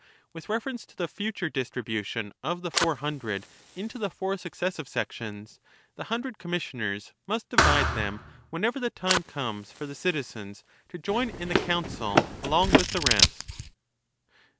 With reference to the future distribution of the Four Hundred into the four successive sections, the hundred com missioners must divide them whenever the time comes for the citizens to join in the Council along with the rest.